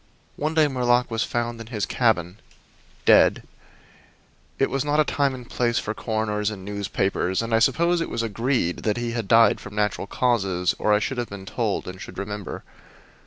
One day Murlock was found in his cabin, dead. It was not a time and place for coroners and newspapers, and I suppose it was agreed that he had died from natural causes or I should have been told, and should remember.